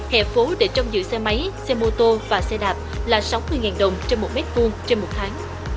hệ phố để trong giữa xe máy xe mô tô và xe đạp là sáu mươi đồng trong một m hai trong một tháng